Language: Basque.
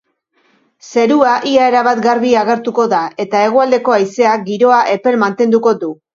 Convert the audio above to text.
Zerua ia erabat garbi agertuko da eta hegoaldeko haizeak giroa epel mantenduko du.